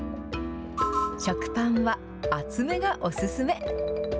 食パンは厚めがお勧め。